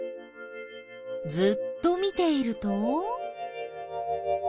ずっと見ていると？